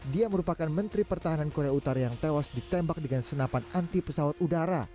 dia merupakan menteri pertahanan korea utara yang tewas ditembak dengan senapan anti pesawat udara